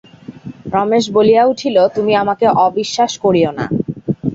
রমেশ বলিয়া উঠিল, তুমি আমাকে অবিশ্বাস করিয়ো না।